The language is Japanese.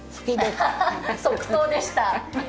即答でした。